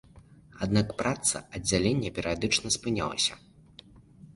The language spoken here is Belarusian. Аднак праца аддзялення перыядычна спынялася.